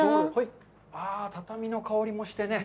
畳の香りもしてね。